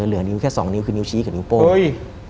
เหลือนิ้วแค่สองนิ้คือนิ้วชี้กับนิ้วโป้ง